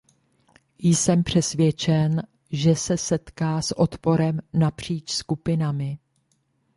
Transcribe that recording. Jsem přesvědčen, že se setká s odporem napříč skupinami.